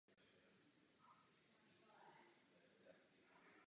Velmi rád vám to řeknu.